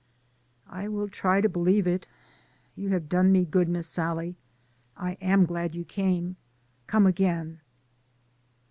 " "I will try to believe it. You have done me good. Miss Sallie. I am glad you came. Come again."